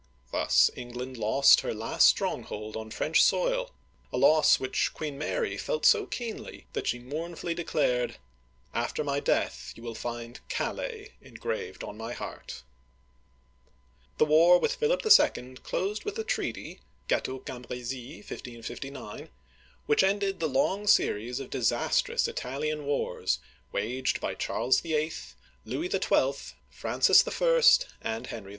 Thus England lost her last stronghold on French soil, a loss which Queen Mary felt so keenly that she mournfully declared :" After my death you will find * Calais * engraved on my heart !*'^ The war with Philip II. closed with a treaty (Cateau Cambr^sis, 1559) which ended the long series of disastrous Italian Wars waged by Charles VIII., Louis XII., Fran cis L, and Henry 11.